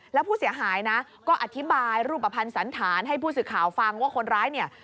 แล้วผู้เสียหายก็อธิบายรูปประพันธ์สันฐานให้ผู้ศึกขาวฟังว่าคนร้าย